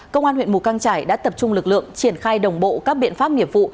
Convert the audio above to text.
công an huyện mù căng trải đã tập trung lực lượng triển khai đồng bộ các biện pháp nghiệp vụ